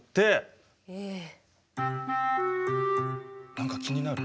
何か気になる？